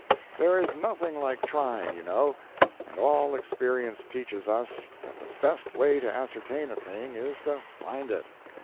There is nothing like trying, you know; and all experience teaches us that the best way to ascertain a thing is to find it.